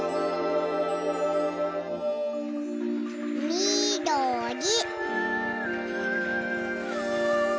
みどり。